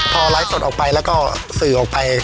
พอไลฟ์สดออกไปแล้วก็สื่อออกไป